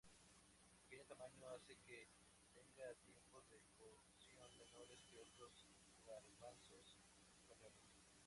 Su pequeño tamaño hace que tenga tiempos de cocción menores que otros garbanzos españoles.